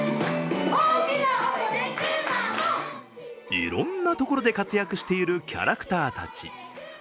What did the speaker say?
いろんなところで活躍しているキャラクターたち。